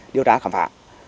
điều tra khám phá